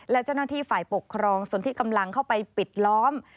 และเจ้าหน้าที่ฝ่ายปกครองส่วนที่กำลังเข้าไปปิดล้อม